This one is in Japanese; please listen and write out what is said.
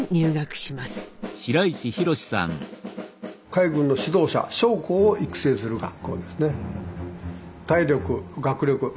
海軍の指導者将校を育成する学校ですね。